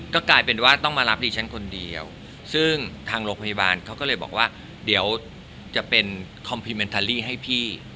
ก็กลายเป็นว่าต้องมารับดิฉันคนเดียวซึ่งทางโรงพยาบาลเขาก็เลยบอกว่าเดี๋ยวจะเป็นคอมพิมเมนตาลีให้พี่